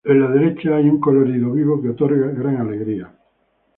En la derecha hay un colorido vivo que otorga gran alegría.